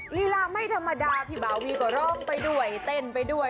ลีลาไม่ธรรมดาพี่บาวีก็ร้องไปด้วยเต้นไปด้วย